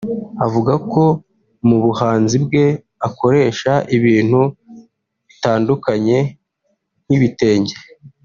Avuga ko mu buhanzi bwe akoresha ibintu bitandukanye nk’ibitenge